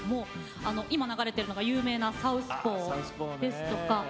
今流れているのが、有名な「サウスポー」です。